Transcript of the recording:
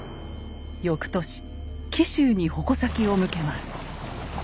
翌年紀州に矛先を向けます。